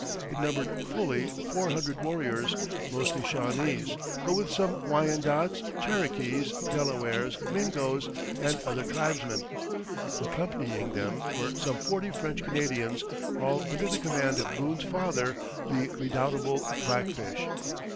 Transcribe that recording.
It numbered fully four hundred warriors, mostly Shawnese, but with some Wyandots, Cherokees, Delawares, Mingos, and other tribesmen. Accompanying them were some forty French Canadians, all under the command of Boone's "father," the redoubtable Black Fish.